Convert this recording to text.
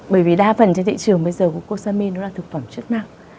bởi vì đa phần trên thị trường bây giờ glucosamine nó là thực phẩm chức năng